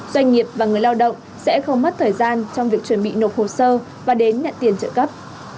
doanh nghiệp và người lao động sẽ không mất thời gian trong việc chuẩn bị nộp hồ sơ và đến nhận tiền trợ cấp